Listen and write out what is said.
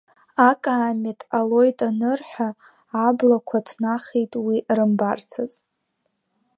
Акаамеҭ ҟалоит анырҳәа аблақәа ҭнахит уи рымбарцаз…